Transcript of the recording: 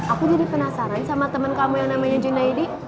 aku jadi penasaran sama temen kamu yang namanya junaidi